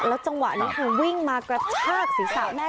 แล้วจังหวะนี้ต้องวิ่งมากระชากศีรษะแนะ